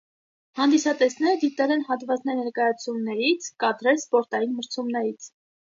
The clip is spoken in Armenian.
Հանդիսատեսները դիտել են հատվածներ ներկայացումներից, կադրեր սպորտային մրցումներից։